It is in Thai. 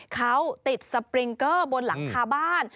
เขาติดสปริงเกอร์บนหลังคาบ้าน